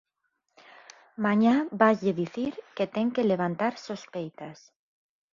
Mañá vaslle dicir que ten que levantar sospeitas.